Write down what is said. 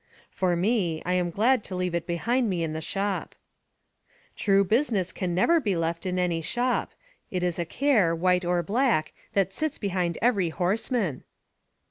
"For me, I am glad to leave it behind me in the shop." "True business can never be left in any shop. It is a care, white or black, that sits behind every horseman."